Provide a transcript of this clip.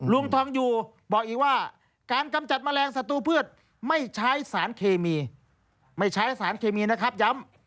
ลุงทองอยู่บอกอีกว่าการกำจัดแมลงศัตรูพืชไม่ใช้สารเคมีไม่ใช้สารเคมีนะครับย้ำ